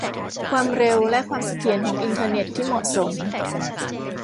ความเร็วและความเสถียรของอินเทอร์เน็ตที่เหมาะสม